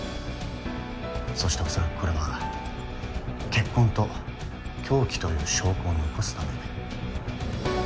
そしておそらくこれは血痕と凶器という証拠を残すため。